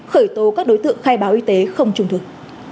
khởi tố các đối tượng khai báo y tế không trung thực